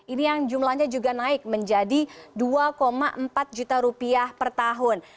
ini yang jumlahnya juga naik menjadi dua empat juta rupiah per tahun